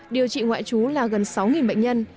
điều trị ngoại chú là gần sáu bệnh nhân